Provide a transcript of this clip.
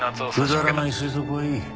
くだらない推測はいい。